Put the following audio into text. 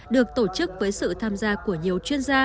được tổ chức với sự tham gia của nhiều chuyên gia